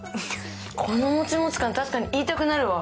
このもちもち感じ、確かに言いたくなるわ。